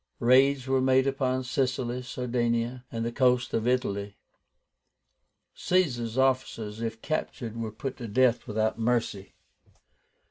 Raids were made upon Sicily, Sardinia, and the coasts of Italy. Caesar's officers, if captured, were put to death without mercy.